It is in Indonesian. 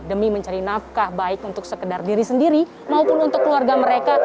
demi mencari nafkah baik untuk sekedar diri sendiri maupun untuk keluarga mereka